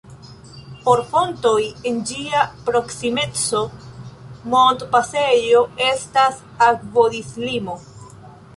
Por fontoj en ĝia proksimeco montpasejo estas akvodislimo.